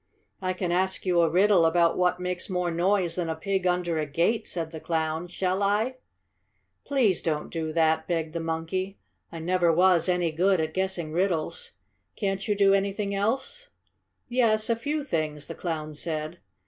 "I can ask you a riddle about what makes more noise than a pig under a gate," said the Clown. "Shall I?" "Please don't do that," begged the monkey. "I never was any good at guessing riddles. Can't you do anything else?" "Yes, a few things," the Clown said.